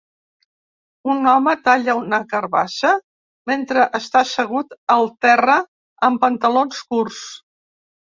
Un home talla una carbassa mentre està assegut al terra amb pantalons curts.